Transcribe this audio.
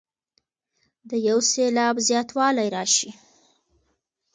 د یو سېلاب زیاتوالی راشي.